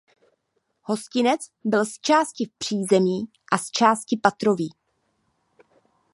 Hostinec byl zčásti přízemní a zčásti patrový.